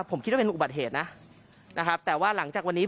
ผมคิดว่าเป็นอุบัติเหตุนะนะครับแต่ว่าหลังจากวันนี้